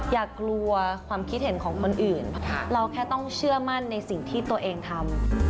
อย่ากลัวความคิดเห็นของคนอื่นเราแค่ต้องเชื่อมั่นในสิ่งที่ตัวเองทำ